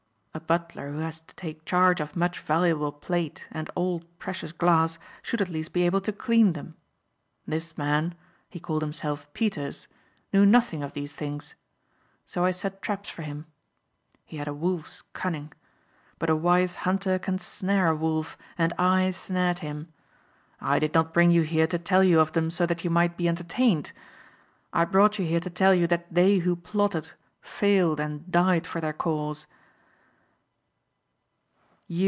"A butler who has to take charge of much valuable plate and old, precious glass should at least be able to clean them. This man he called himself Peters knew nothing of these things. So I set traps for him. He had a wolf's cunning. But a wise hunter can snare a wolf and I snared him. I did not bring you here to tell you of them so that you might be entertained. I brought you here to tell you that they who plotted, failed and died for their cause.